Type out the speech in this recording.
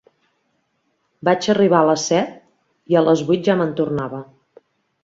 Vaig arribar a les set, i a les vuit ja me'n tornava.